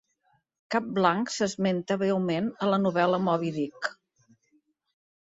Cap Blanc s'esmenta breument a la novel·la "Moby Dick".